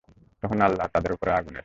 তখন আল্লাহ তাদের উপর আগুনের।